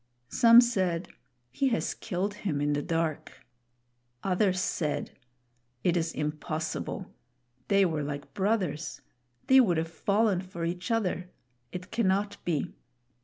Some said, "He has killed him in the dark." Others said, "It is impossible; they were like brothers; they would have fallen for each other. It cannot be."